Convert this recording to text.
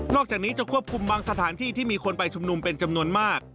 อกจากนี้จะควบคุมบางสถานที่ที่มีคนไปชุมนุมเป็นจำนวนมาก